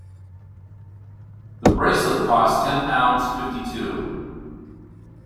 The bracelet costs ten pounds fifty-two